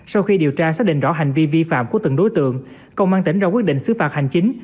sau khi điều tra xác định rõ hành vi vi phạm của từng đối tượng công an tỉnh ra quyết định xứ phạt hành chính